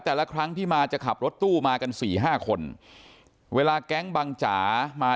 แต่ละครั้งที่มาจะขับรถตู้มากันสี่ห้าคนเวลาแก๊งบังจ๋ามา